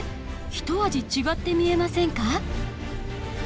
一味違って見えませんか？